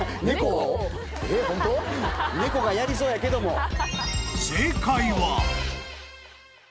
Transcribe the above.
猫がやりそうやけども。